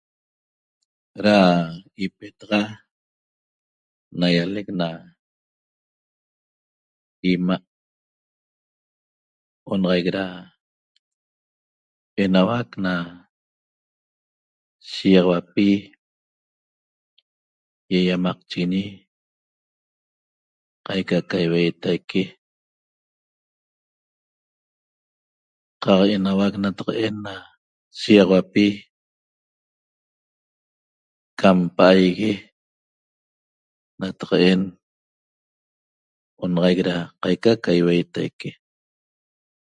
Da ipetaxa naýalec na 'ima' onaxaic da enauac na shiýaxauapi ýaýamaqchiguiñi qaica ca ýiueetaique qaq enauac nataq'en na shiýaxauapi cam pa'aigue nataq'en onaxaic da qaica ca ýiuetaique